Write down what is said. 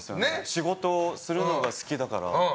仕事するのが好きだから。